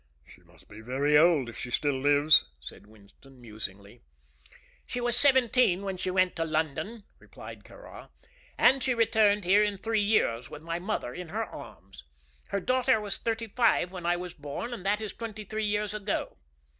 "She must be very old, if she still lives," said Winston, musingly. "She was seventeen when she went to London," replied Kāra, "and she returned here in three years, with my mother in her arms. Her daughter was thirty five when I was born, and that is twenty three years ago.